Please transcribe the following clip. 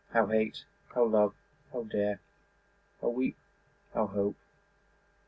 How hate, how love, how dare, How weep, how hope?